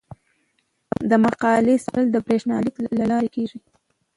د مقالې سپارل د بریښنالیک له لارې کیږي.